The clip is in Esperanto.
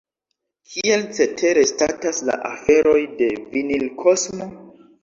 Kiel cetere statas la aferoj de Vinilkosmo?